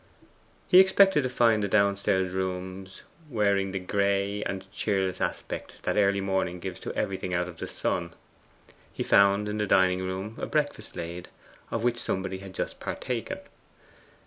He expected to find the downstairs rooms wearing the gray and cheerless aspect that early morning gives to everything out of the sun. He found in the dining room a breakfast laid, of which somebody had just partaken.